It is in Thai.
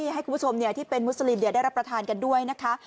ให้คุณผู้ชมที่เป็นมุสลิมได้รับประทานกันด้วยนะคะ